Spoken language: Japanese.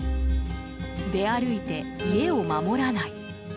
出歩いて家を守らない。